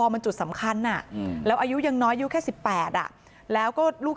มันจุดสำคัญแล้วอายุยังน้อยอายุแค่๑๘แล้วก็ลูก